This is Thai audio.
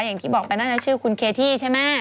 อย่างที่บอกไปน่าจะชื่อคุณเคที่ใช่ไหม